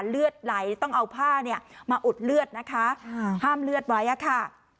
เลือดไหลต้องเอาผ้าเนี่ยมาอุดเลือดนะคะห้ามเลือดไว้อะค่ะ